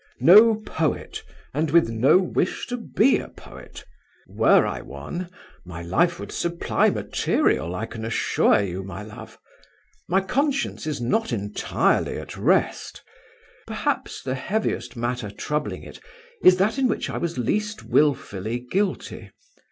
"No poet, and with no wish to be a poet. Were I one, my life would supply material, I can assure you, my love. My conscience is not entirely at rest. Perhaps the heaviest matter troubling it is that in which I was least wilfully guilty.